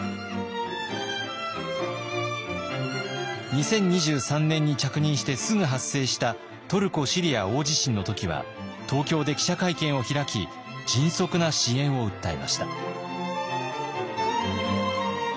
２０２３年に着任してすぐ発生したトルコ・シリア大地震の時は東京で記者会見を開き迅速な支援を訴えました。